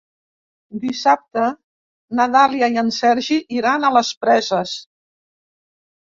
Dissabte na Dàlia i en Sergi iran a les Preses.